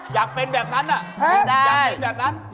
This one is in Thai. ว่าไงค่ะพี่บอร์ล